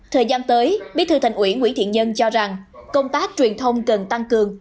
thời gian tới bí thư thành ủy nguyễn thiện nhân cho rằng công tác truyền thông cần tăng cường